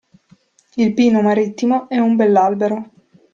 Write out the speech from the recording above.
Il pino marittimo è un bell'albero.